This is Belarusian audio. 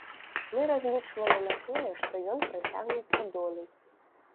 Мы разлічвалі на тое, што ён працягнецца долей.